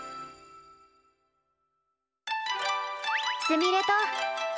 すみれと。